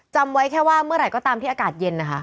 จำไว้แค่ว่าเมื่อไหร่ก็ตามที่อากาศเย็นนะคะ